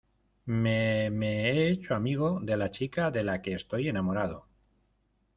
me, me he hecho amigo de la chica de la que estoy enamorado